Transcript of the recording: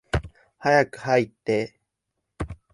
早く入って。